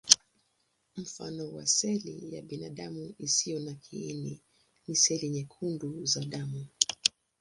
Mfano wa seli ya binadamu isiyo na kiini ni seli nyekundu za damu.